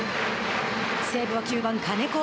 西武は９番金子。